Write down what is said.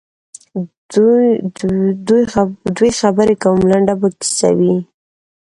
دوی خبري کوم لنډه به کیسه وي